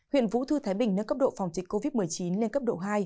huyện vũ thư thái bình nâng cấp độ phòng dịch covid một mươi chín lên cấp độ hai